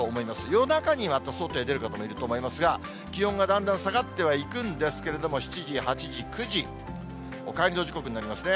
夜中にまた、外へ出る方がいると思いますが、気温がだんだん下がってはいくんですけれども、７時、８時、９時、お帰りの時刻になりますね。